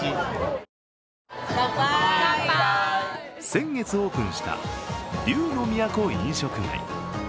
先月オープンした龍乃都飲食街。